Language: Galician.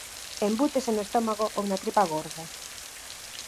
Embútese no estómago ou na tripa gorda.